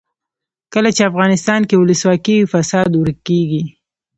کله چې افغانستان کې ولسواکي وي فساد ورک کیږي.